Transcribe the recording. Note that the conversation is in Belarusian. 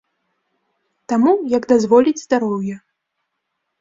Таму, як дазволіць здароўе.